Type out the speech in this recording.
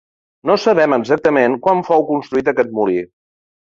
No sabem, exactament quan fou construït aquest molí.